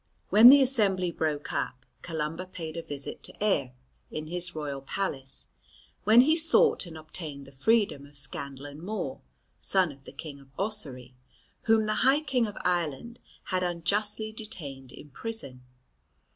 When the assembly broke up, Columba paid a visit to Aedh in his royal palace, when he sought and obtained the freedom of Scandlan Mor, son of the King of Ossory, whom the High King of Ireland had unjustly detained in prison.